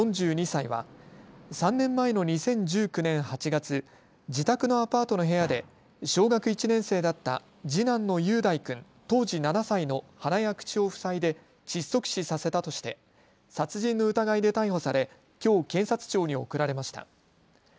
４２歳は３年前の２０１９年８月、自宅のアパートの部屋で小学１年生だった次男の雄大君当時７歳の鼻や口を塞いで窒息死させたとして殺人の疑いで逮捕されきょう検察庁に送られました。